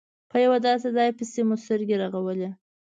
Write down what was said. په یو داسې ځای پسې مو سترګې رغولې.